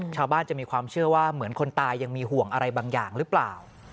ชาวบ้านจะมีความเชื่อว่าเหมือนคนตายยังมีห่วงอะไรบางอย่างหรือเปล่า